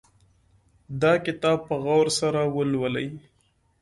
دا کتاب په غور سره ولولئ